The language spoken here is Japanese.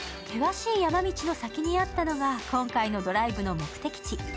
険しい山道の先にあったのが、今回のドライブの目的地。